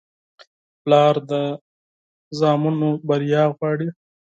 پلار د اولاد بریا غواړي.